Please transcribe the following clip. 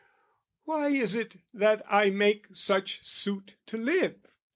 Why is it that I make such suit to live?